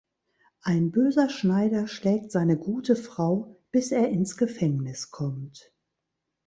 Ein böser Schneider schlägt seine gute Frau, bis er ins Gefängnis kommt.